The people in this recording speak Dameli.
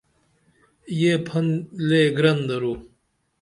یہ پھن لے گرن درو